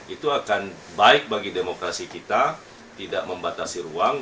itu akan baik bagi demokrasi kita tidak membatasi ruang